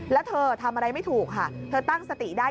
แล้วเธอทำอะไรไม่ถูกค่ะเธอตั้งสติได้